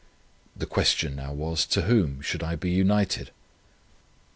The question now was, to whom shall I be united?